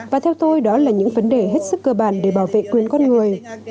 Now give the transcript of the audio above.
và theo tôi đó là những vấn đề hết sức cơ bản để bảo vệ quyền con người